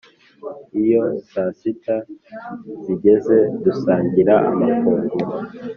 Iyo saasita zigeze dusangira amafunguro